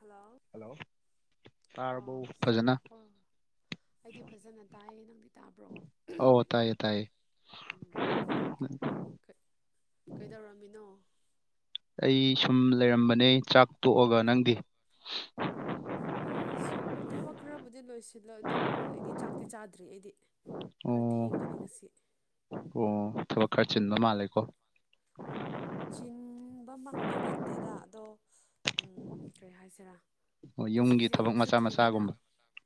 Hello hello ꯇꯥꯔꯕ‌ꯣ ꯑꯣ ꯐꯖꯅ ꯑꯣ ꯑꯩꯗꯤ ꯐꯖꯅ ꯇꯥꯏꯌꯦ ꯅꯪꯗꯤ ꯇꯥꯕ꯭ꯔꯣ ꯑꯣ ꯇꯥꯏꯌꯦ ꯇꯥꯏꯌꯦ ꯎꯝ ꯀ ꯀꯩꯗꯧꯔꯝꯃꯤꯅꯣ ꯑꯩ ꯁꯨꯝ ꯂꯩꯔꯝꯕꯅꯦ ꯆꯥꯛ ꯇꯣꯛꯑꯒ ꯅꯪꯗꯤ ꯑꯩꯁꯨ ꯊꯕꯛ ꯈꯔꯕꯨꯗꯤ ꯂꯣꯏꯁꯤꯜꯂꯦ ꯑꯗꯣ ꯑꯩꯗꯤ ꯆꯥꯛꯇꯤ ꯆꯥꯗ꯭ꯔꯤ ꯑꯩꯗꯤ ꯈꯔ ꯑꯣ ꯊꯦꯡꯒꯅꯤ ꯉꯁꯤ ꯑꯣ ꯊꯕꯛ ꯈꯔ ꯆꯤꯟꯕ ꯃꯥꯜꯂꯦꯀꯣ ꯆꯤꯟꯕꯃꯛꯇꯤ ꯅꯠꯇꯦꯗ ꯑꯗꯣ ꯎꯝ ꯀꯔꯤ ꯍꯥꯏꯁꯤꯔꯥ ꯑꯣ ꯌꯨꯝꯒꯤ ꯉꯁꯤꯁꯦ ꯊꯕꯛ ꯃꯆꯥ ꯁꯨꯇꯤꯅꯤꯅ [unintelligible] ꯃꯆꯥꯒꯨꯝꯕ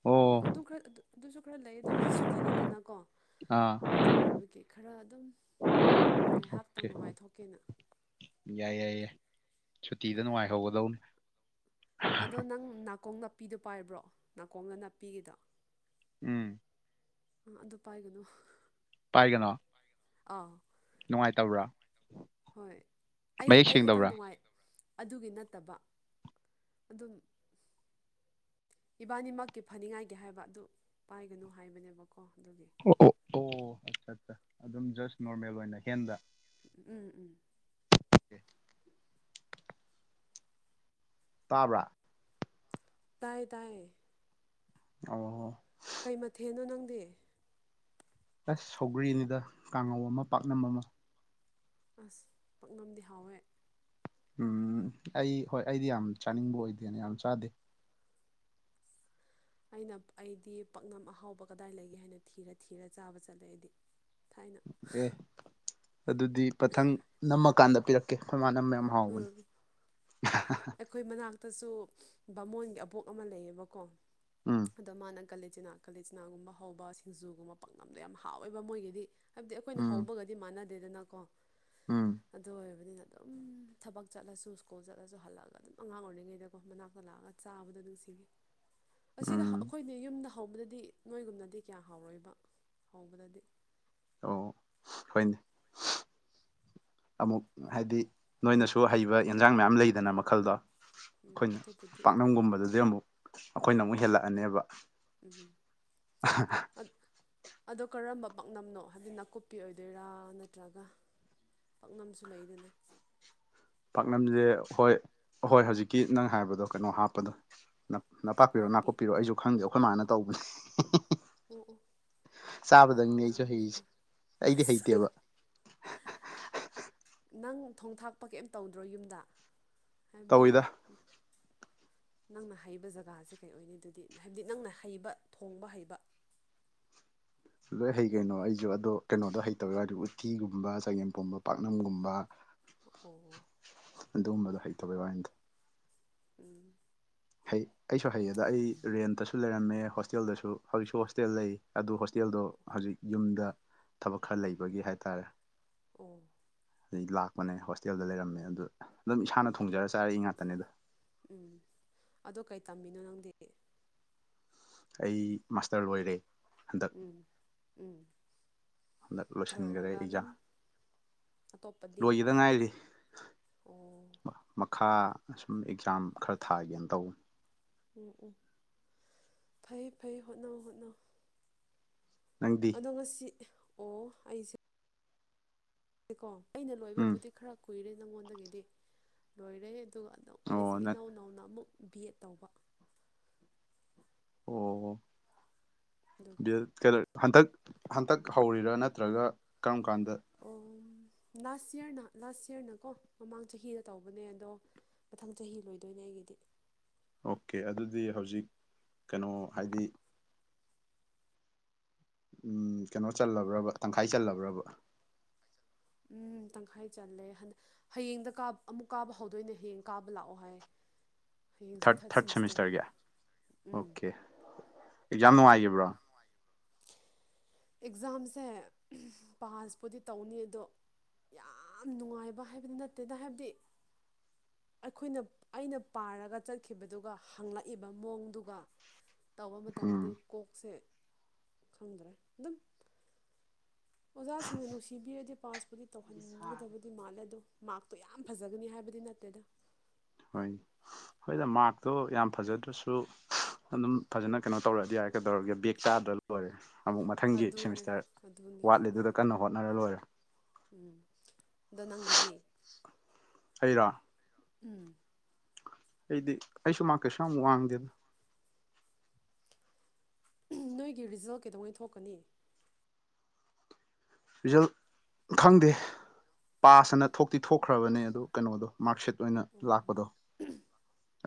ꯑꯣ ꯎꯝ ꯑꯗꯨ ꯈꯔ ꯑꯗꯨ ꯑꯗꯨꯁꯨ ꯈꯔ ꯂꯩ ꯑꯗꯣ ꯉꯁꯤ ꯁꯨꯇꯤꯅꯤꯗꯅꯀꯣ ꯑꯥ ꯑꯗꯨ ꯑꯣꯏꯕꯒꯤ ꯈꯔ ꯑꯗꯨꯝ ꯉꯥꯏꯍꯥꯛꯇꯪ ꯑꯣꯀꯦ ꯅꯨꯡꯉꯥꯏꯊꯣꯛꯀꯦꯅꯥ ꯌꯥꯏ ꯌꯥꯏ ꯌꯥꯏ ꯁꯨꯇꯤꯗ ꯅꯨꯡꯉꯥꯏꯍꯧꯒꯗꯧꯅꯤ ꯑꯗꯣ ꯅꯪ ꯅꯥꯀꯣꯡ ꯅꯥꯄꯤꯗꯣ ꯄꯥꯏꯕ꯭ꯔꯣ ꯅꯥꯀꯣꯡꯗ ꯅꯞꯄꯤꯒꯤꯗꯣ ꯎꯝ ꯑꯥ ꯑꯗꯨ ꯄꯥꯏꯒꯅꯨ ꯄꯥꯏꯒꯅꯣ ꯑꯧ ꯅꯨꯡꯉꯥꯏꯇꯕ꯭ꯔꯥ ꯍꯣꯏ ꯑꯩ ꯃꯌꯦꯛ ꯑꯩ ꯈꯇꯪ ꯁꯦꯡꯗꯕ꯭ꯔꯥ ꯅꯨꯡꯉꯥꯏ [unintelligible] ꯑꯗꯨꯒꯤ ꯅꯠꯇꯕ ꯑꯗꯨꯝ ꯏꯕꯥꯅꯤꯃꯛꯀꯤ ꯐꯅꯤꯉꯥꯏꯒꯤ ꯍꯥꯏꯕ ꯑꯗꯨ ꯄꯥꯏꯒꯅꯨ ꯍꯥꯏꯕꯅꯦꯕꯀꯣ ꯑꯗꯨꯒꯤ ꯑꯣ ꯑꯣ ꯑꯣ ꯑꯠꯆꯥ ꯆꯥ ꯑꯗꯨꯝ ꯖꯁ ꯅꯣꯔꯃꯦꯜ ꯑꯣꯏꯅ ꯍꯦꯟꯗ ꯎ ꯎꯝ ꯎꯝ ꯇꯥꯕ꯭ꯔꯥ ꯇꯥꯏ ꯇꯥꯏꯌꯦ ꯑꯣ ꯍꯣ ꯀꯩ ꯃꯊꯦꯟꯅꯣ ꯅꯪꯗꯤ ꯑꯁ ꯁꯧꯒ꯭ꯔꯤꯅꯤꯗ ꯀꯥꯡꯉꯧ ꯑꯃ ꯄꯥꯛꯅꯝ ꯑꯃꯥ ꯑꯥꯁ ꯄꯥꯛꯅꯝꯗꯤ ꯍꯥꯎꯋꯦ ꯎꯝ ꯑꯩ ꯍꯣꯏ ꯑꯩꯗꯤ ꯌꯥꯝ ꯆꯥꯅꯤꯡꯕ ꯑꯣꯏꯗꯦꯅ ꯌꯥꯝ ꯆꯥꯗꯦ ꯑꯩꯅ ꯑꯩꯗꯤ ꯄꯥꯛꯅꯝ ꯑꯍꯥꯎꯕ ꯀꯗꯥꯏ ꯂꯩꯒꯦ ꯍꯥꯏꯅ ꯊꯤꯔ ꯊꯤꯔ ꯆꯥꯕ ꯆꯠꯂꯦ ꯑꯩꯗꯤ ꯊꯥꯏꯅ ꯑꯦ ꯑꯗꯨꯗꯤ ꯃꯊꯪ ꯅꯝꯃꯀꯥꯟꯗ ꯄꯤꯔꯛ ꯀꯦ ꯑꯩꯈꯣꯏꯃꯥꯟꯅꯕ ꯌꯥꯝ ꯍꯥꯎꯕꯅꯦ ꯎꯝ ꯑꯩꯈꯣꯏ ꯃꯅꯥꯛꯇꯁꯨ ꯕꯥꯃꯣꯟꯒꯤ ꯑꯕꯣꯛ ꯑꯃ ꯂꯩꯌꯦꯕꯀꯣ ꯎꯝ ꯑꯗꯣ ꯃꯥꯅ ꯀꯂꯆꯤꯅꯥ ꯀꯥꯂꯆꯤꯅꯥꯒꯨꯝꯕ ꯍꯧꯕ ꯁꯤꯡꯖꯨꯒꯨꯝꯕ ꯄꯥꯛꯅꯝꯗꯣ ꯌꯥꯝ ꯍꯥꯎꯋꯦꯕ ꯃꯣꯏꯒꯤꯗꯤ ꯍꯥꯏꯕꯗꯤ ꯑꯩꯈꯣꯏꯅ ꯎꯝ ꯍꯧꯕꯒꯗꯤ ꯃꯥꯟꯅꯗꯦꯗꯅꯀꯣ ꯎꯝ ꯑꯗꯨ ꯑꯣꯏ ꯍꯥꯏꯕꯅꯤꯅ ꯑꯗꯨꯝ ꯊꯕꯛ ꯆꯠꯂꯁꯨ ꯁ꯭ꯀꯨꯜ ꯆꯠꯂꯁꯨ ꯍꯜꯂꯛꯑꯒ ꯑꯗꯨꯝ ꯑꯉꯥꯡ ꯑꯣꯏꯔꯤꯉꯩꯗꯀꯣ ꯃꯅꯥꯛꯇ ꯂꯥꯛꯑꯒ ꯆꯥꯕꯗ ꯑꯗꯨꯝ ꯁꯤꯡꯉꯦ ꯑꯁꯤꯗ ꯎꯝ ꯑꯩꯈꯣꯏꯅꯦ ꯌꯨꯝꯗ ꯍꯧꯕꯗꯗꯤ ꯅꯣꯏꯒꯨꯝꯅꯗꯤ ꯀꯌꯥ ꯍꯥꯎꯔꯣꯏꯕ ꯍꯧꯕꯗꯗꯤ ꯑꯣ ꯍꯣꯏꯅꯦ [inaudible] ꯑꯃꯨꯛ ꯍꯥꯏꯗꯤ ꯅꯣꯏꯅꯁꯨ ꯍꯩꯕ ꯌꯦꯟꯁꯥꯡ ꯃꯌꯥꯝ ꯂꯩꯗꯅ ꯃꯈꯜꯗꯣ ꯎꯝ ꯑꯩꯈꯣꯏꯅ ꯑꯗꯨꯕꯨꯗꯤ ꯄꯥꯛꯅꯝꯒꯨꯝꯕꯗꯗꯤ ꯑꯃꯨꯛ ꯑꯩꯈꯣꯏꯅ ꯑꯃꯨꯛ ꯍꯦꯜꯂꯛꯑꯅꯦꯕ ꯎꯝ ꯎꯝ ꯑꯗꯨ ꯑꯗꯣ ꯀꯔꯝꯕ ꯄꯥꯛꯅꯝꯅꯣ ꯍꯥꯏꯕꯗꯤ ꯅꯥꯀꯨꯞꯄꯤ ꯑꯣꯏꯗꯣꯏꯔꯥ ꯅꯠꯇ꯭ꯔꯒ ꯄꯥꯛꯅꯝꯁꯨ ꯂꯩꯗꯅ ꯄꯥꯛꯅꯝꯁꯦ ꯍꯣꯏ ꯍꯣꯏ ꯍꯧꯖꯤꯛꯀꯤ ꯅꯪ ꯍꯥꯏꯕꯗꯣ ꯀꯩꯅꯣ ꯍꯥꯞꯄꯗꯣ ꯅꯪ ꯅꯅꯥꯄꯥꯛꯄꯤꯔꯣ ꯅꯥꯀꯨꯞꯄꯤ ꯑ ꯅꯥꯀꯨꯞꯄꯤꯔꯣ ꯑꯩꯁꯨ ꯈꯪꯗꯦ ꯑꯩꯈꯣꯏ ꯃꯥꯅ ꯇꯧꯕꯅꯦ ꯎ ꯎ ꯍꯥꯎ ꯆꯥꯕꯗꯪꯅꯤ ꯑꯩꯁꯨ ꯍꯩꯔꯤꯁꯦ ꯌꯥꯝꯗ ꯑꯩꯗꯤ ꯍꯩꯇꯦꯕ ꯅꯪ ꯊꯣꯡ ꯊꯥꯛꯄ ꯀꯩꯝ ꯇꯧꯗ꯭ꯔꯣ ꯌꯨꯝꯗ ꯇꯧꯋꯤꯗ ꯍꯥꯏꯕꯗꯤ ꯅꯪꯅ ꯍꯩꯕ ꯖꯒꯥꯁꯦ ꯀꯩ ꯑꯣꯏꯅꯤ ꯑꯗꯨꯗꯤ ꯍꯥꯏꯕꯗꯤ ꯅꯪꯅ ꯍꯩꯕ ꯊꯣꯡꯕ ꯍꯩꯕ ꯂꯣꯏ ꯍꯩ ꯀꯩꯅꯣ ꯑꯩꯁꯨ ꯑꯗꯣ ꯀꯩꯅꯣꯗꯣ ꯍꯩꯇꯕꯩꯋꯥꯅꯤ ꯎꯠꯇꯤꯒꯨꯝꯕ ꯆꯒꯦꯝꯄꯣꯝꯕ ꯄꯥꯛꯅꯝꯒꯨꯝꯕ ꯐꯈꯣ ꯑꯗꯨꯒꯨꯝꯕꯗꯣ ꯍꯩꯇꯕꯒꯤ ꯋꯥꯅꯤꯗ ꯎꯝ ꯍꯩ ꯑꯩꯁꯨ ꯍꯩꯌꯦꯗ ꯑꯩ ꯔꯦꯟꯇꯁꯨ ꯂꯩꯔꯝꯃꯦ ꯍꯣꯁꯇꯦꯜꯗꯁꯨ ꯍꯧꯖꯤꯛꯁꯨ ꯍꯣꯁꯇꯦꯜ ꯂꯩ ꯑꯗꯨ ꯍꯣꯁ ꯍꯣꯇꯦꯜꯗꯣ ꯑꯣ ꯍꯧꯖꯤꯛ ꯌꯨꯝꯗ ꯊꯕꯛ ꯈꯔ ꯂꯩꯕꯒꯤ ꯍꯥꯏꯇꯥꯔꯦ ꯑꯣ ꯑꯗꯩ ꯂꯥꯛꯄꯅꯦ ꯍꯣꯁꯇꯦꯜꯗ ꯂꯩꯔꯝꯃꯦ ꯑꯗꯨꯗ ꯑꯗꯨꯝ ꯏꯁꯥꯅ ꯊꯣꯡꯖꯔ ꯆꯥꯔꯛꯏ ꯉꯥꯛꯇꯅꯦꯗ ꯎꯝ ꯑꯗꯣ ꯀꯩ ꯇꯝꯃꯤꯅꯣ ꯅꯪꯗꯤ ꯑꯩ ꯃꯥꯁꯇꯔ ꯂꯣꯏꯔꯦ ꯍꯟꯗꯛ ꯎꯝ ꯎꯝ ꯍꯟꯗꯛ ꯂꯣꯏꯁꯤꯟꯈ꯭ꯔꯦ ꯂꯣꯏꯔꯒ ꯑꯗꯨꯝ ꯑꯦꯛꯖꯥꯝ ꯑꯇꯣꯞꯄꯗꯤ ꯂꯣꯏꯒꯗ ꯉꯥꯏꯔꯤ ꯑꯣ ꯃꯈꯥ ꯁꯨꯝ ꯑꯦꯛꯖꯥꯝ ꯈꯔ ꯊꯥꯒꯦꯅ ꯇꯧꯋ ꯎꯝ ꯎꯝ ꯐꯩ ꯐꯩ ꯍꯣꯠꯅꯧ ꯍꯣꯠꯅꯧ ꯅꯪ ꯣ ꯉꯁꯤ ꯑꯣ ꯑꯩꯁꯦ ꯁꯤꯀꯣ ꯑꯩꯅ ꯎꯝ ꯂꯣꯏꯕꯕꯨꯗꯤ ꯈꯔ ꯀꯨꯏꯔꯦ ꯅꯪꯉꯣꯟꯗꯒꯤꯗꯤ ꯂꯣꯏꯔꯦ ꯑꯗꯨꯒ ꯑꯗꯨꯝ ꯑꯣ ꯑꯩꯁꯤ ꯅꯪ ꯏꯅꯧ ꯅꯧꯅ ꯑꯃꯨꯛ ꯕꯤ ꯑꯦꯗ ꯇꯧꯕ ꯑꯣ ꯑꯗꯨꯒꯤ ꯀꯗ ꯍꯟꯗꯛ ꯍꯟꯇꯛ ꯍꯧꯔꯤꯔꯥ ꯅꯠꯇ꯭ꯔꯒ ꯀꯔꯝ ꯀꯥꯟꯗ ꯑꯣ ꯂꯥꯁ ꯌꯔꯅ ꯂꯥꯁ ꯌꯔꯅꯀꯣ ꯃꯃꯥꯡ ꯆꯍꯤꯗ ꯇꯧꯕꯅꯦ ꯑꯗꯣ ꯃꯊꯪ ꯆꯍꯤ ꯂꯣꯏꯗꯣꯏꯅꯦ ꯑꯩꯒꯤꯗꯤ ꯑꯣꯀꯦ ꯑꯗꯨꯗꯤ ꯍꯧꯖꯤꯛ ꯀꯩꯅꯣ ꯍꯥꯏꯗꯤ ꯎꯝ ꯀꯩꯅꯣ ꯆꯜꯂꯕ꯭ꯔꯕ ꯇꯪꯈꯥꯏ ꯆꯜꯂꯕ꯭ꯔꯕ ꯎꯝ ꯇꯪꯈꯥꯏ ꯆꯜꯂꯦ ꯍꯟ ꯍꯌꯦꯡꯗ ꯀꯥ ꯑꯃꯨꯛ ꯀꯥꯕ ꯍꯧꯗꯣꯏꯅꯦ ꯍꯌꯦꯡ ꯀꯥꯕ ꯂꯥꯛꯑꯣ ꯍꯥꯏꯌꯦ ꯊꯔꯠ ꯊꯥꯔꯠ ꯁꯦꯃꯤꯁꯇꯔꯒꯤ ꯎꯝ ꯑꯣꯀꯦ ꯑꯦꯛꯖꯥꯝ ꯅꯨꯡꯉꯥꯏꯈꯤꯕ꯭ꯔꯣ ꯑꯦꯛꯖꯥꯝꯁꯦ ꯄꯥꯁꯄꯨꯗꯤ ꯇꯧꯅꯤ ꯑꯗꯣ ꯌꯥꯝ ꯅꯨꯡꯉꯥꯏꯕ ꯍꯥꯏꯕꯗꯤ ꯅꯠꯇꯦꯅ ꯍꯥꯏꯕꯗꯤ ꯑꯩꯈꯣꯏꯅ ꯑꯩꯅ ꯄꯥꯔꯒ ꯆꯠꯈꯤꯕꯗꯨꯒ ꯍꯪꯂꯛꯏꯕ ꯃꯑꯣꯡꯗꯨꯒ ꯇꯧꯕ ꯎꯝ ꯃꯇꯝꯗꯗꯤ ꯀꯣꯛꯁꯦ ꯈꯪꯗ꯭ꯔꯦ ꯑꯗꯨꯝ ꯑꯣꯖꯥꯁꯤꯡꯅ ꯅꯨꯡꯁꯤꯕꯤꯔꯗꯤ ꯄꯥꯁꯄꯨꯗꯤ ꯇꯧꯍꯟꯒꯗꯕ ꯗꯤ ꯃꯥꯜꯂꯦ ꯑꯗꯣ ꯃꯥꯛꯇꯣ ꯌꯥꯝ ꯐꯖꯒꯅꯤ ꯍꯥꯏꯕꯗꯤ ꯅꯠꯇꯦꯗ ꯍꯣꯏ ꯍꯣꯏꯗ ꯃꯥꯛꯇꯣ ꯌꯥꯝ ꯐꯖꯗ꯭ꯔꯁꯨ ꯑꯗꯨꯝ ꯐꯖꯅ ꯀꯩꯅꯣ ꯇꯧꯔꯛꯑꯗꯤ ꯌꯥꯏ ꯀꯩꯗꯧꯔꯒꯦ ꯕꯦꯛ ꯆꯥꯗ꯭ꯔ ꯂꯣꯏꯔꯦ ꯑꯃꯨꯛ ꯃꯊꯪꯒꯤ ꯑꯗꯨꯅꯦ ꯁꯦꯃꯤꯁꯇꯔ ꯑꯗꯨꯅꯦ ꯋꯥꯠꯂꯤꯗꯨꯗ ꯀꯟꯅ ꯍꯣꯠꯅꯔ ꯂꯣꯏꯔꯦ ꯎꯝ ꯑꯗꯣ ꯅꯪꯒꯤꯗꯤ ꯑꯩꯔꯣ ꯎꯝ ꯑꯩꯗꯤ ꯑꯩꯁꯨ ꯃꯥꯛ ꯀꯩꯁꯨ ꯌꯥꯝ ꯋꯥꯡꯗꯦꯗ ꯅꯣꯏꯒꯤ ꯔꯤꯖꯜ ꯀꯩꯗꯧꯉꯩ ꯊꯣꯛꯀꯅꯤ ꯔꯤꯖꯜ ꯈꯪꯗꯦ ꯄꯥꯁ ꯑꯅ ꯊꯣꯛꯇꯤ ꯊꯣꯛꯈ꯭ꯔꯕꯅꯦ ꯑꯗꯨ ꯀꯩꯅꯣꯗꯣ ꯃꯥꯔꯛ ꯁꯤꯠ ꯑꯣꯏꯅ ꯑꯣ ꯂꯥꯛꯄꯗꯣ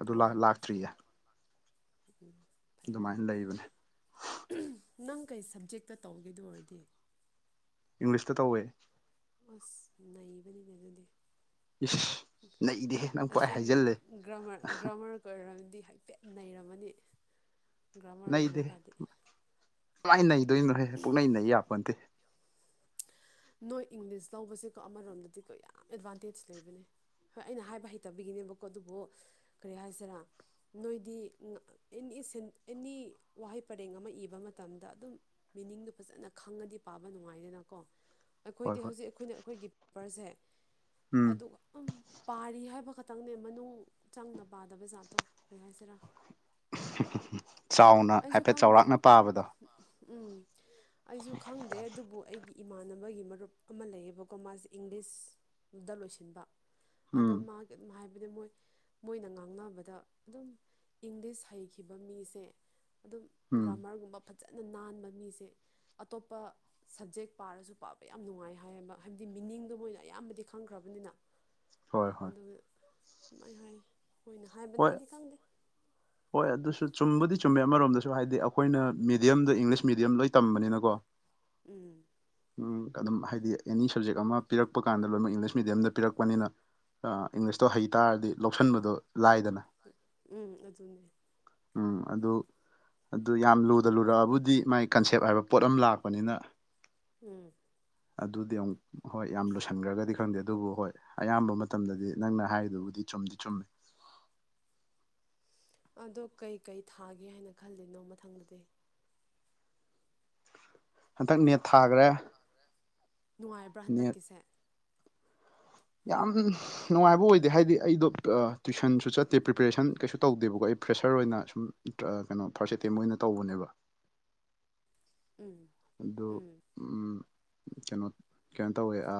ꯑꯗꯨ ꯑꯣ ꯂꯥꯛꯇ꯭ꯔꯤꯌꯦ ꯎꯝ ꯐꯩ ꯐꯩ ꯑꯗꯨꯃꯥꯏꯅ ꯂꯩꯕꯅꯦ ꯅꯪ ꯀꯩ ꯁꯞꯖꯦꯛꯇ ꯇꯧꯒꯦ ꯑꯗꯨ ꯑꯣꯏꯔꯗꯤ ꯏꯪꯂꯤꯁꯇ ꯇꯧꯋꯦ ꯥꯑꯁ ꯅꯩꯕꯅꯤꯅꯦ ꯑꯗꯨꯗꯤ ꯏꯁ ꯅꯩꯗꯦꯍꯦ ꯅꯪ ꯄꯨꯡꯍꯥꯏ ꯑꯁꯦꯡꯕ ꯍꯥꯏꯖꯤꯜꯂꯦ ꯒ꯭ꯔꯥꯃꯔ ꯒ꯭ꯔꯥꯃꯔ ꯀꯣꯏꯔꯝꯗꯤ ꯍꯥꯏꯐꯦꯠ ꯅꯩꯔꯝꯃꯅꯤ ꯒ꯭ꯔꯃ꯭ꯔꯒꯨꯝꯕ ꯅꯩꯗꯦꯍꯦ ꯀꯗꯤ ꯀꯃꯥꯏꯅ ꯅꯩꯗꯣꯏꯅꯣꯍꯦ ꯄꯨꯛꯅꯩ ꯅꯩ ꯌꯥꯄꯣꯟꯇꯦ ꯅꯣꯏ ꯏꯪꯂꯤꯁ ꯂꯧꯕꯁꯦꯀꯣ ꯑꯃꯔꯣꯝꯗꯗꯤꯀꯣ ꯌꯥꯝ ꯑꯦꯗꯚꯥꯟꯇꯦꯖ ꯂꯩꯕꯅꯦ ꯍꯣꯏ ꯑꯩꯅ ꯍꯥꯏꯕ ꯍꯩꯇꯕꯤꯒꯤꯅꯦꯕꯀꯣ ꯑꯗꯨꯕꯨ ꯀꯔꯤ ꯍꯥꯏꯁꯤꯔꯥ ꯅꯣꯏꯗꯤ ꯑꯦꯅꯤ‌ꯁꯦꯟ ꯑꯦꯅꯤ ꯋꯥꯍꯩ ꯄꯔꯦꯡ ꯑꯃ ꯏꯕ ꯃꯇꯝꯗ ꯑꯗꯨꯝ ꯃꯤꯅꯤꯡꯗꯣ ꯐꯖꯅ ꯈꯪꯉꯗꯤ ꯄꯥꯕ ꯅꯨꯡꯉꯥꯏꯗꯅꯀꯣ ꯍꯣꯏ ꯑꯩꯈꯣꯏꯗꯤ ꯍꯣꯏ ꯍꯧꯖꯤꯛ ꯑꯩꯈꯣꯏꯅ ꯑꯩꯈꯣꯏꯒꯤ ꯄꯦꯄꯔꯁꯦ ꯎꯝ ꯑꯗꯨ ꯄꯥꯔꯤ ꯍꯥꯏꯕ ꯈꯛꯇꯪꯅꯦ ꯃꯅꯨꯡ ꯆꯪꯅ ꯄꯥꯗꯕ ꯖꯥꯠꯇꯣ ꯀꯩ ꯍꯥꯢꯁꯤꯔ ꯍꯥꯏꯁꯤꯔꯥ ꯆꯥꯎꯅ ꯑꯩꯁꯨ ꯍꯥꯏꯐꯦꯠ ꯈꯪꯗꯦ ꯆꯥꯎꯔꯥꯛꯅ ꯄꯥꯕꯗꯣ ꯎꯝ ꯑꯩꯁꯨ ꯈꯪꯗꯦ ꯑꯗꯨꯕꯨ ꯑꯩꯒꯤ ꯏꯃꯥꯟꯅꯕꯒꯤ ꯃꯔꯨꯞ ꯑꯃ ꯂꯩꯌꯦꯕꯀꯣ ꯃꯥꯁꯦ ꯏꯪꯂꯤꯁ ꯗ ꯂꯣꯏꯁꯤꯟꯕ ꯑꯗꯣ ꯎꯝ ꯃꯥ [inaudible] ꯍꯥꯏꯕꯗꯤ ꯃꯣꯏ ꯃꯣꯏꯅ ꯉꯥꯡꯅꯕꯗ ꯑꯗꯨꯝ ꯏꯪꯂꯤꯁ ꯍꯩꯈꯤꯕ ꯃꯤꯁꯦ ꯑꯗꯨꯝ ꯎꯝ ꯒ꯭ꯔꯥꯃꯔꯒꯨꯝꯕ ꯐꯖ ꯐꯖꯅ ꯅꯥꯟꯕ ꯃꯤꯁꯦ ꯑꯇꯣꯞꯄ ꯁꯕꯖꯦꯛ ꯄꯥꯔꯁꯨ ꯄꯥꯕ ꯌꯥꯝ ꯅꯨꯡꯉꯥꯏ ꯍꯥꯏꯌꯦꯕ ꯍꯥꯏꯕꯗꯤ ꯃꯤꯅꯤꯡꯗꯣ ꯃꯣꯏꯅ ꯑꯌꯥꯝꯕꯗꯤ ꯈꯪꯈ꯭ꯔꯕꯅꯤꯅ ꯍꯣꯏ ꯍꯣꯏ ꯑꯗꯨꯒ ꯑꯗꯨꯃꯥꯏ ꯍꯥꯏ ꯃꯣꯏꯅ ꯍꯥꯏꯕꯅꯦ ꯍꯣꯏ ꯑꯩꯗꯤ ꯈꯪꯗꯦ ꯍꯣꯏ ꯑꯗꯨꯁꯨ ꯆꯨꯝꯕꯨꯗꯤ ꯆꯨꯝꯃꯦ ꯑꯃꯔꯣꯝꯗꯁꯨ ꯍꯥꯏꯗꯤ ꯑꯩꯈꯣꯏꯅ ꯃꯤꯦꯗꯤꯌꯝꯗꯣ ꯏꯪꯂꯤꯁ ꯃꯦꯗꯤꯌꯝ ꯂꯣꯏ ꯇꯝꯕꯅꯤꯅꯀꯣ ꯎꯝ ꯑꯗꯨꯝ ꯍꯥꯏꯗꯤ ꯑꯦꯅꯤ ꯁꯞꯖꯦꯛ ꯑꯃ ꯄꯤꯔꯛꯄ ꯀꯥꯟꯗ ꯂꯣꯏꯅꯃꯛ ꯏꯪꯂꯤꯁ ꯃꯦꯗꯤꯌꯝꯗ ꯄꯤꯔꯛꯄꯅꯤꯅ ꯏꯪꯂꯤꯁꯇꯣ ꯍꯩꯇꯥꯥꯔꯗꯤ ꯂꯧꯁꯤꯟꯕꯗꯣ ꯂꯥꯏꯗꯅ ꯎꯝ ꯑꯗꯨꯅꯦ ꯎꯝ ꯑꯗꯨ ꯑꯗꯨ ꯌꯥꯝ ꯂꯨꯗ ꯂꯨꯔꯛꯑꯕꯨꯗꯤ ꯃꯥꯏ ꯀꯟꯁꯦꯞ ꯍꯥꯏꯕ ꯄꯣꯠ ꯑꯃ ꯂꯥꯛꯄꯅꯤꯅ ꯎꯝ ꯑꯗꯨꯗꯤ ꯑꯃꯨꯛ ꯍꯣꯏ ꯌꯥꯝ ꯂꯣꯏꯁꯤꯟꯈ꯭ꯔꯒꯗꯤ ꯈꯪꯗꯦ ꯑꯗꯨꯕꯨ ꯍꯣꯏ ꯑꯌꯥꯝꯕ ꯃꯇꯝꯗꯗꯤ ꯅꯪꯅ ꯍꯥꯏꯗꯨꯕꯨꯗꯤ ꯆꯨꯝꯗꯤ ꯆꯨꯝꯃꯦ ꯑꯗꯣ ꯀꯩꯀꯩ ꯊꯥꯒꯦ ꯍꯥꯏꯅ ꯈꯜꯂꯤꯅꯣ ꯃꯊꯪꯗꯗꯤ ꯍꯟꯗꯛ ꯅꯦꯠ ꯊꯥꯈ꯭ꯔꯦ꯫ ꯅꯨꯡꯉꯥꯏꯕ꯭ꯔꯥ ꯅꯦꯠ ꯍꯟꯗꯛꯀꯤꯁꯦ꯫ ꯌꯥꯝ ꯅꯨꯡꯉꯥꯏꯕ ꯑꯣꯏꯗꯦ ꯍꯥꯏꯗꯤ ꯑꯩꯗꯣ ꯇ꯭ꯋꯨꯏꯁꯟꯁꯨ ꯆꯠꯇꯦ ꯄ꯭ꯔꯤꯄꯦꯔꯦꯁꯟ ꯀꯩꯁꯨ ꯇꯧꯗꯦꯕꯀꯣ ꯑꯩ ꯄ꯭ꯔꯦꯁꯔ ꯑꯣꯏꯅ ꯁꯨꯝ ꯀꯩꯅꯣ ꯐꯥꯔꯁ ꯑꯦꯇꯦꯝ ꯑꯣꯏꯅ ꯇꯧꯕꯅꯦꯕ ꯎꯝ ꯑꯗꯨ ꯎꯝ ꯀꯩꯅꯣ ꯀꯩꯅꯣ ꯇꯧꯋꯦ ꯑ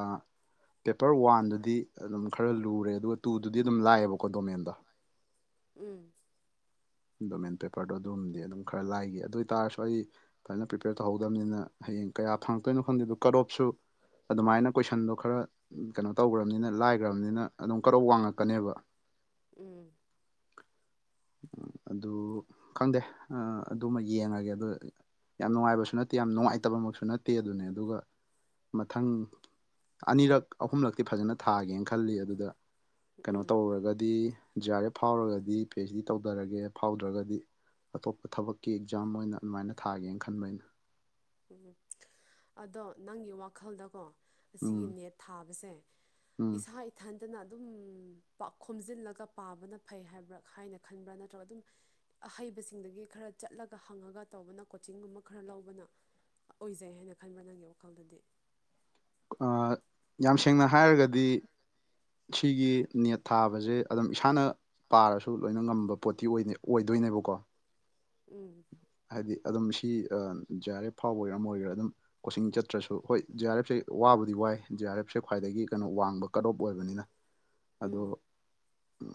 ꯄꯦꯄꯔ ꯋꯥꯟꯗꯨꯗꯤ ꯑꯗꯨꯝ ꯈꯔ ꯂꯨꯔꯦ ꯑꯗꯨꯒ ꯇꯨꯗꯨꯗꯤ ꯑꯗꯨꯝ ꯂꯥꯏꯌꯦꯕꯀꯣ ꯗꯣꯃꯦꯟꯗꯣ [inaudible] ꯎꯝ ꯗꯣꯃꯦꯟ ꯄꯦꯄꯔꯗꯣ ꯑꯗꯨꯝꯗꯤ ꯑꯗꯨꯝ ꯈꯔ ꯂꯥꯏꯈꯤ ꯑꯗꯨ ꯑꯣꯏꯇꯥꯔꯁꯨ ꯑꯩ ꯐꯖꯅ ꯄ꯭ꯔꯤꯄꯦꯌꯔ ꯇꯧꯍꯧ ꯇꯕꯅꯤꯅ ꯍꯌꯦꯡ ꯀꯌꯥ ꯐꯪꯉꯛꯇꯣꯏꯅꯣ ꯈꯪꯗꯦꯗꯣ ꯀꯠ ꯑꯣꯞꯁꯨ ꯑꯗꯨꯃꯥꯏꯅ ꯀꯣꯏꯁꯟꯗꯣ ꯈꯔ ꯀꯩꯅꯣ ꯇꯧꯈ꯭ꯔꯕꯅꯤꯅ ꯂꯥꯏꯈ꯭ꯔꯕꯅꯤꯅ ꯑꯗꯨꯝ ꯀꯠ ꯋꯥꯡꯉꯛꯀꯅꯦꯕ꯫ ꯎꯝ ꯑꯗꯨ ꯈꯪꯗꯦ ꯑꯗꯨꯃ ꯌꯦꯡꯉꯒꯦ ꯑꯗꯣ ꯌꯥꯝ ꯅꯨꯡꯉꯥꯏꯕꯁꯨ ꯅꯠꯇꯦ꯫ ꯌꯥꯝ ꯅꯨꯡꯉꯥꯏꯇꯕꯃꯛꯁꯨ ꯅꯠꯇꯦ ꯑꯗꯨꯅꯦ ꯑꯗꯨꯒ ꯃꯊꯪ ꯑꯅꯤꯔꯛ ꯑꯍꯨꯝꯂꯛꯇꯤ ꯐꯖꯅ ꯊꯥꯒꯦꯅ ꯈꯜꯂꯤ ꯑꯗꯨꯗ ꯀꯩꯅꯣ ꯎꯝ ꯇꯧꯔꯒꯗꯤ J R F ꯐꯥꯎꯔꯒꯗꯤ ꯄꯤꯍꯩꯁꯗꯤ ꯇꯧꯊꯔꯒꯦ ꯐꯥꯎꯗ꯭ꯔꯒꯗꯤ ꯑꯇꯣꯞꯄ ꯊꯕꯛꯀꯤ ꯑꯦꯛꯖꯥꯝ ꯑꯣꯏꯅ ꯑꯗꯨꯃꯥꯏꯅ ꯊꯥꯒꯦꯅ ꯈꯟꯕ ꯑꯩꯅ ꯎꯝ ꯑꯗꯣ ꯅꯪꯒꯤ ꯋꯥꯈꯜꯗꯀꯣ ꯎꯝ ꯑꯁꯤꯒꯤ ꯅꯦꯠ ꯊꯥꯕꯁꯦ ꯎꯝ ꯏꯁꯥ ꯏꯊꯟ ꯐꯠꯖꯅ ꯑꯗꯨꯝ ꯈꯣꯝꯖꯤꯜꯂꯒ ꯄꯥꯕꯅ ꯐꯩ ꯍꯥꯏꯕ꯭ꯔꯥ ꯍꯥꯏꯅ ꯈꯟꯕ꯭ꯔꯥ ꯅꯠꯇ꯭ꯔꯒ ꯑꯗꯨꯝ ꯑꯍꯩꯕꯁꯤꯡꯗꯒꯤ ꯈꯔ ꯆꯠꯂꯒ ꯍꯪꯉꯒ ꯇꯧꯕꯅ ꯀꯣꯆꯤꯡꯒꯨꯝꯕ ꯈꯔ ꯂꯧꯕꯅ ꯑꯣꯏꯖꯩ ꯍꯥꯏꯅ ꯈꯟꯕ꯭ꯔꯥ ꯅꯪꯒꯤ ꯋꯥꯈꯜꯗꯗꯤ ꯑ ꯌꯥꯝ ꯁꯦꯡꯅ ꯍꯥꯏꯔꯒꯗꯤ ꯁꯤꯒꯤ ꯅꯦꯠ ꯊꯥꯕꯁꯦ ꯑꯗꯨꯝ ꯏꯁꯥꯅ ꯄꯥꯔꯁꯨ ꯂꯣꯏꯅ ꯉꯝꯕ ꯄꯣꯠ ꯇꯤ ꯑꯣꯏꯗꯣꯏꯅꯦꯕꯀꯣ꯫ ꯎꯝ ꯍꯥꯏꯗꯤ ꯑꯗꯨꯝ ꯁꯤ J R F ꯐꯥꯎꯕ ꯑꯣꯏꯒꯦꯔꯥ ꯑꯃ ꯑꯣꯏꯒꯦꯔꯥ ꯑꯗꯨꯝ ꯀꯣꯆꯤꯡ ꯆꯠꯇ꯭ꯔꯁꯨ ꯍꯣꯏ ꯖꯦ ꯑꯥꯔ ꯑꯦꯐ ꯁꯦ ꯋꯥꯕꯨꯗꯤ ꯋꯥꯏ ꯖꯦ ꯑꯥꯔ ꯑꯦꯐ ꯁꯦ ꯈ꯭ꯋꯥꯏꯗꯒꯤ ꯀꯩꯅꯣ ꯋꯥꯡꯕ ꯀꯠ ꯑꯣꯞ ꯑꯣꯏꯕꯅꯤꯅ [inaudible] ꯑꯗꯣ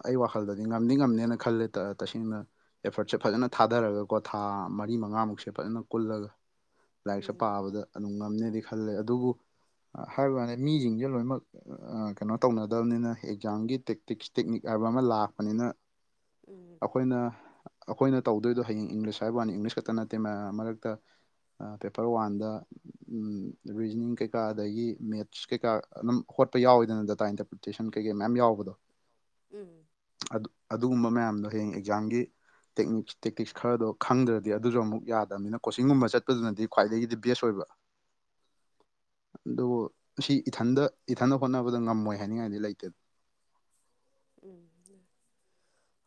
ꯑꯩ ꯋꯥꯈꯜꯗꯗꯤ ꯉꯝꯗꯤ ꯉꯝꯅꯦꯅ ꯈꯜꯂꯦ ꯇꯁꯦꯡꯅ ꯑꯦꯐꯔꯠꯁꯦ ꯐꯖꯅ ꯊꯥꯗꯔꯒ꯫ ꯀ꯭ꯋꯥ ꯊꯥ ꯃꯔꯤ ꯃꯉꯥꯃꯨꯛꯁꯦ ꯐꯖꯅ ꯀꯨꯜꯂꯒ ꯂꯥꯏꯔꯤꯛꯁꯦ ꯎꯝ ꯄꯥꯕꯗ ꯑꯗꯨꯝ ꯉꯝꯅꯦꯗꯤ ꯈꯜꯂꯦ ꯑꯗꯨꯕꯨ ꯍꯥꯏꯕ ꯋꯥꯅꯤ ꯃꯤꯁꯤꯡꯁꯦ ꯂꯣꯏꯅꯃꯛ ꯀꯩꯅꯣ ꯇꯧꯅꯗꯕꯅꯤꯅ ꯑꯦꯛꯖꯥꯝꯒꯤ ꯇꯦꯛꯇꯤꯛꯁ- ꯇꯦꯛꯅꯤꯛ ꯍꯥꯏꯕ ꯑꯃ ꯂꯥꯛꯄꯅꯤꯅ ꯎꯝ ꯑꯩꯈꯣꯏꯅ ꯑꯩꯈꯣꯏꯅ ꯇꯧꯗꯣꯏꯗꯣ ꯍꯌꯦꯡ ꯏꯪꯂꯤꯁ ꯍꯥꯏꯕ ꯋꯥꯅꯤ ꯏꯪꯂꯤꯁ ꯈꯛꯇ ꯅꯠꯇꯦ ꯃꯌꯥꯝ ꯃꯔꯛꯇ ꯑ ꯄꯦꯄꯔ ꯋꯥꯟꯗ ꯎꯝ ꯔꯤꯖꯅꯤꯡ ꯀꯩꯀꯥ ꯑꯗꯒꯤ ꯃꯦꯠꯁ ꯀꯩꯀꯥ ꯑꯗꯨꯝ ꯍꯣꯠꯄ ꯌꯥꯎꯋꯦꯗꯅ ꯗꯦꯇꯥ ꯏꯟꯇꯔꯄ꯭ꯔꯤꯇꯦꯁꯟ ꯀꯩꯀꯩ ꯃꯌꯥꯝ ꯌꯥꯎꯕꯗꯣ ꯎꯝ ꯑꯗꯨꯒꯨꯝꯕ ꯃꯌꯥꯝꯗꯣ ꯍꯌꯦꯡ ꯑꯦꯛꯖꯥꯝꯒꯤ ꯇꯦꯛꯅꯤꯛꯁ ꯇꯦꯛꯇꯤꯛꯁ ꯈꯔꯗꯣ ꯈꯪꯗ꯭ꯔꯗꯤ ꯑꯗꯨꯁꯨ ꯑꯃꯨꯛ ꯌꯥꯗꯕꯅꯤꯅ ꯀꯣꯆꯤꯡꯒꯨꯝꯕ ꯆꯠꯄꯗꯨꯅꯗꯤ ꯈ꯭ꯋꯥꯏꯗꯒꯤꯗꯤ ꯕꯦꯁ ꯑꯣꯏꯕ [inaudible] ꯑꯗꯨꯕꯨ ꯁꯤ ꯏꯊꯟꯗ ꯏꯊꯟꯗ ꯍꯣꯠꯅꯕꯗ ꯉꯝꯃꯣꯏ ꯍꯥꯏꯅꯤꯡꯉꯥꯏꯗꯤ ꯂꯩꯇꯦꯗ ꯎꯝ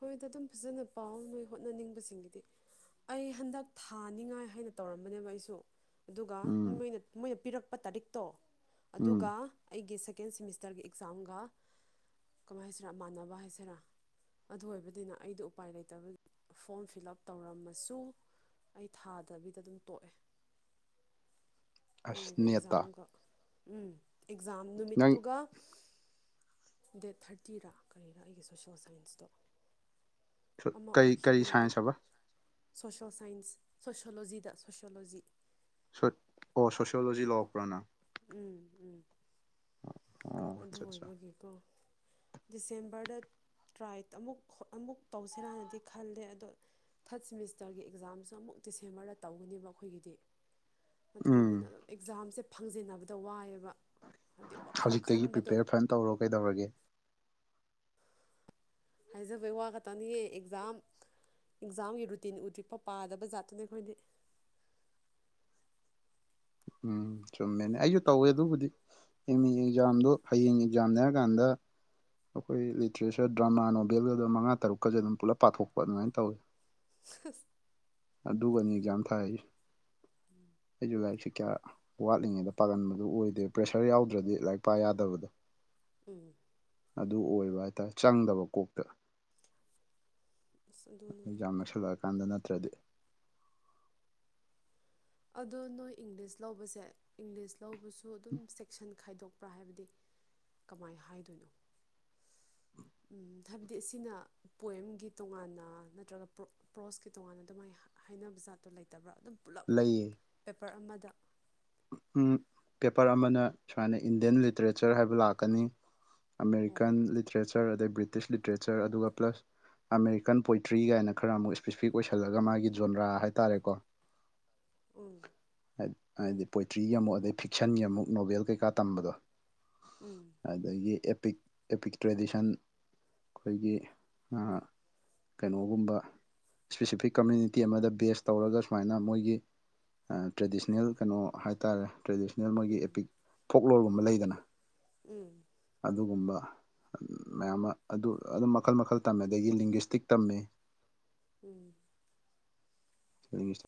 ꯍꯣꯏꯗ ꯑꯗꯨꯝ ꯐꯖꯅ ꯄꯥꯎ ꯅꯣꯏ ꯍꯣꯠꯅꯅꯤꯡꯕꯁꯤꯡꯒꯤꯗꯤ ꯑꯩ ꯍꯟꯗꯛ ꯊꯥꯅꯤꯡꯉꯥꯏ ꯍꯥꯏꯅ ꯇꯧꯔꯝꯕꯅꯦꯕ ꯑꯩꯁꯨ ꯑꯗꯨꯒ ꯎꯝ ꯃꯣꯏꯅ ꯄꯤꯔꯛꯄ ꯇꯥꯔꯤꯛꯇꯣ ꯑꯗꯨꯒ ꯎꯝ ꯑꯩꯒꯤ ꯁꯦꯀꯦꯟ ꯁꯦꯃꯤꯁꯇꯔꯒꯤ ꯑꯦꯛꯖꯥꯝꯒ ꯀꯃꯥꯏ ꯍꯥꯏꯁꯤꯔꯥ ꯃꯥꯟꯅꯕ ꯍꯥꯏꯁꯤꯔꯥ ꯑꯗꯨ ꯑꯣꯏꯕꯗꯨꯅ ꯑꯩꯗꯣ ꯎꯄꯥꯏ ꯂꯩꯇꯕ ꯐꯣꯝ ꯐꯤꯜ ꯎꯞ ꯇꯧꯔꯝꯃꯁꯨ ꯑꯩ ꯊꯥꯗꯕꯤꯗ ꯑꯗꯨꯝ ꯇꯣꯛꯑꯦ꯫ ꯑꯁ ꯑꯩꯒꯤꯗꯣ ꯅꯦꯠꯇ ꯑꯦꯛꯖꯥꯝꯒ ꯎꯝ ꯑꯦꯛꯖꯥꯝ ꯅꯪ ꯅꯨꯃꯤꯠꯇꯨꯒ ꯗꯦꯠ ꯊꯥꯔꯇꯤꯔꯥ ꯀꯔꯤꯔ ꯑꯩꯒꯤ ꯁꯣꯁꯦꯜ ꯁꯥꯏꯟꯁꯇꯣ ꯑꯃ ꯀꯔꯤ ꯀꯔꯤ ꯑꯣꯏꯈꯤꯕꯅꯤ ꯑꯗꯨ ꯁꯥꯏꯟꯁ ꯍꯥꯏꯕ ꯁꯣꯁꯣ ꯁꯥꯏꯟꯁ ꯁꯣꯁꯤꯌꯣꯂꯣꯖꯤꯗ ꯁꯣꯁꯤꯌꯣꯂꯣꯖꯤ ꯑꯣ ꯁꯣꯁꯤꯌꯣꯂꯣꯖꯤ ꯂꯧꯔꯛꯄ꯭ꯔ ꯅꯪ ꯎꯝ ꯎꯝ ꯑꯣ ꯑꯗꯨ ꯑꯠꯆꯥ ꯑꯠꯆꯥ ꯑꯣꯏꯕꯒꯤꯀꯣ ꯗꯤꯁꯦꯝꯕꯔꯗ ꯇ꯭ꯔꯥꯏ ꯑꯃꯨꯛ ꯑꯃꯨꯛ ꯇꯧꯁꯤꯔꯅꯗꯤ ꯈꯜꯂꯦ ꯑꯗꯣ ꯊꯔꯠ ꯁꯦꯃꯤꯁꯇꯔꯒꯤ ꯑꯦꯛꯖꯥꯝꯁꯨ ꯑꯃꯨꯛ ꯗꯤꯁꯦꯝꯕꯔꯗ ꯇꯧꯒꯅꯦꯕ ꯑꯩꯈꯣꯏꯒꯤꯗꯤ ꯑꯗꯨ ꯎꯝ ꯑꯣꯏꯕꯅ ꯑꯗꯨꯝ ꯑꯦꯛꯖꯥꯝꯁꯦ ꯐꯪꯖꯤꯟꯅꯕꯗ ꯋꯥꯏꯑꯦꯕ ꯍꯥꯏꯕꯗꯤ ꯋꯥꯈꯜ ꯇꯒꯤ ꯈꯟꯕꯗꯣ ꯄ꯭ꯔꯤꯄꯦꯌꯔ ꯐꯅ ꯇꯧꯔꯣ ꯀꯩꯗꯧꯔꯒꯦ ꯍꯥꯏꯖꯕꯩ ꯋꯥ ꯈꯇꯅꯤꯌꯦ ꯑꯦꯛꯖꯥꯝ ꯑꯦꯛꯖꯥꯝꯒꯤ ꯔꯨꯇꯤꯟ ꯎꯗ꯭ꯔꯤꯛꯄ ꯄꯥꯗꯕ ꯖꯥꯠꯇꯨꯅꯦ ꯑꯩꯈꯣꯏꯗꯤ ꯎꯝ ꯆꯨꯝꯃꯦꯅꯦ ꯑꯩꯁꯨ ꯇꯧꯋꯦ ꯑꯗꯨꯕꯨꯗꯤ ꯑꯦꯝ ꯏ ꯑꯦꯛꯖꯥꯝꯗꯣ ꯍꯌꯦꯡ ꯑꯦꯛꯖꯥꯝꯅꯦꯔꯀꯥꯟꯗ ꯑꯩꯈꯣꯏ ꯂꯤꯇ꯭ꯔꯦꯆꯔ ꯗ꯭ꯔꯃꯥ ꯅꯣꯕꯦꯜꯒ ꯑꯗꯨꯝ ꯃꯉꯥ ꯇꯔꯨꯛꯀꯁꯨ ꯑꯗꯨꯝ ꯄꯨꯂꯞ ꯄꯥꯊꯣꯛꯄ ꯑꯗꯨꯃꯥꯏꯅ ꯇꯧꯋꯤ ꯑꯁ ꯑꯗꯨꯒꯅꯤ ꯑꯦꯛꯖꯥꯝ ꯊꯥꯏꯁꯤ ꯎꯝ ꯑꯩꯁꯨ ꯂꯥꯏꯔꯤꯛꯁꯦ ꯀꯌꯥ ꯋꯥꯠꯂꯤꯉꯩꯗ ꯄꯥꯒꯟꯕꯗꯨ ꯑꯣꯏꯗꯦ ꯄ꯭ꯔꯦꯁꯔ ꯌꯥꯎꯗ꯭ꯔꯗꯤ ꯂꯥꯏꯔꯤꯛ ꯄꯥ ꯌꯥꯗꯕꯗꯣ ꯎꯝ ꯑꯗꯨ ꯑꯣꯏꯕ ꯍꯥꯏꯇꯥꯔꯦ ꯆꯪꯗꯕ ꯀꯣꯛꯇ ꯑꯁ ꯑꯩ ꯑꯗꯨꯅꯅꯦ ꯌꯥꯝ ꯂꯣꯏꯁꯤꯜꯂꯛꯑꯀꯥꯟꯗ ꯅꯠꯇ꯭ꯔꯗꯤ ꯑꯗꯣ ꯅꯣꯏ ꯏꯪꯂꯤꯁ ꯂꯧꯕꯁꯦ ꯏꯪꯂꯤꯁ ꯂꯧꯕꯁꯨ ꯑꯗꯨꯝ ꯁꯦꯛꯁꯟ ꯈꯥꯏꯗꯣꯛꯄ꯭ꯔꯥ ꯍꯥꯏꯕꯗꯤ ꯀꯃꯥꯏꯅ ꯍꯥꯏꯗꯣꯏꯅꯣ ꯍꯥꯏꯕꯗꯤ ꯑꯁꯤꯅ ꯄꯣꯏꯦꯝꯒꯤ ꯇꯣꯉꯥꯟꯅ ꯅꯠꯇ꯭ꯔꯒ꯭ꯔꯣ ꯄ꯭ꯔꯣꯁꯀꯤ ꯇꯣꯉꯥꯟꯅ ꯑꯗꯨꯃꯥꯏꯅ ꯍꯥꯏꯅꯕ ꯖꯥꯠꯇꯣ ꯂꯩꯇꯕ꯭ꯔꯥ ꯑꯗꯨꯝ ꯄꯨꯂ ꯂꯩꯌꯦ ꯄꯦꯄꯔ ꯑꯃꯗ ꯄꯦꯄꯔ ꯑꯃꯅ ꯁꯨꯃꯥꯏꯅ ꯏꯟꯗꯤꯌꯟ ꯂꯤꯇꯔꯦꯆꯔ ꯍꯥꯏꯕ ꯂꯥꯛꯀꯅꯤ ꯑꯣ ꯑꯃꯦꯔꯤꯀꯟ ꯂꯤꯇ꯭ꯔꯦꯆꯔ ꯑꯗꯩ ꯕ꯭ꯔꯤꯇꯤꯁ ꯂꯤꯇ꯭ꯔꯦꯆꯔ ꯑꯗꯨꯒ ꯄ꯭ꯂꯁ ꯑꯃꯦꯔꯤꯀꯟ ꯄꯣꯏꯇ꯭ꯔꯤꯒꯥꯏꯅ ꯈꯔ ꯑꯃꯨꯛ ꯏꯁꯄꯦꯁꯤꯐꯤꯛ ꯑꯣꯏꯁꯜꯂꯒ ꯃꯥꯒꯤ ꯖꯣꯟꯗ꯭ꯔꯥ ꯍꯥꯏꯇꯥꯔꯦꯀꯣ ꯎꯝ ꯍꯥꯏꯗꯤ ꯄꯣꯏꯇ꯭ꯔꯤꯒꯤ ꯑꯃꯨꯛ ꯑꯗꯩ ꯐꯤꯛꯁꯟꯒꯤ ꯑꯃꯨꯛ ꯅꯣꯚꯦꯜ ꯀꯩꯀꯥ ꯇꯝꯕꯗꯣ ꯎꯝ ꯑꯗꯒꯤ ꯑꯦꯄꯤꯛ ꯑꯦꯄꯤꯛ ꯇ꯭ꯔꯦꯗꯤꯁꯟ ꯑꯗꯩꯗꯤ ꯑꯥ ꯀꯩꯅꯣꯒꯨꯝꯕ ꯁ꯭ꯄꯦꯁꯤꯐꯤꯛ ꯀꯝꯃ꯭ꯨꯅꯤꯇꯤ ꯑꯃꯗ ꯕꯦꯁ ꯇꯧꯔꯒ ꯁꯨꯃꯥꯏꯅ ꯃꯣꯏꯒꯤ ꯇ꯭ꯔꯦꯗꯤꯁꯅꯦꯜ ꯀꯩꯅꯣ ꯍꯥꯏꯇꯥꯔꯦ ꯇ꯭ꯔꯦꯗꯤꯁꯅꯦꯜ ꯃꯣꯏꯒꯤ ꯎꯝ ꯑꯦꯄꯤꯛ ꯐꯣꯛ ꯂꯣꯔꯒꯨꯝꯕ ꯂꯩꯗꯅ ꯎꯝ ꯑꯗꯨꯒꯨꯝꯕ ꯃꯌꯥꯝ ꯑꯃ ꯑꯗꯨ ꯑꯗꯨꯝ ꯃꯈꯜ ꯃꯈꯜ ꯇꯝꯃꯦ ꯑꯗꯒꯤ ꯂꯤꯡꯒ꯭ꯋꯤꯁꯇꯤꯛ ꯇꯝꯃꯤ ꯎꯝ ꯎꯝ [inaudible]